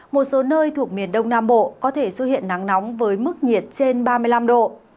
một số nơi thuộc miền đông nam bộ có thể xuất hiện nắng nóng với mức nhiệt trên ba mươi năm độ